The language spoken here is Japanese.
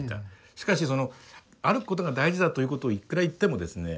しかしその歩くことが大事だということをいくら言ってもですね